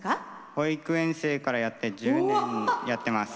保育園生からやって１０年やってます。